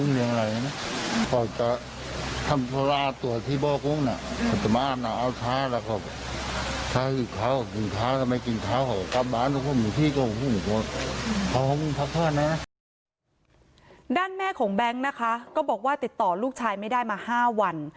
ด้านแม่ของแบงค์นะคะก็บอกว่าติดต่อลูกชายไม่ได้มา๕วัน